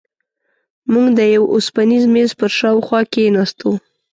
موږ د یوه اوسپنیز میز پر شاوخوا کېناستو.